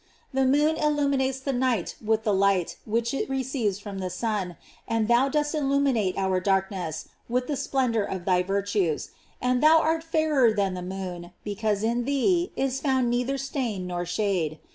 The moon illu minates the night with the light which it re ceives from the sun, and thou dost illuminate our darkness, with the splendor of thy virtues; and thou art fairer than the moon, because in thee is found neither stain nor shade.